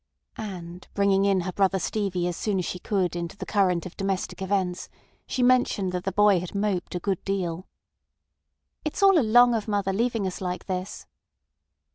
And bringing in her brother Stevie as soon as she could into the current of domestic events, she mentioned that the boy had moped a good deal. "It's all along of mother leaving us like this."